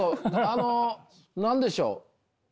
あの何でしょう？